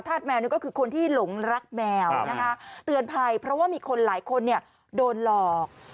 แมวนี่ก็คือคนที่หลงรักแมวนะคะเตือนภัยเพราะว่ามีคนหลายคนเนี่ยโดนหลอก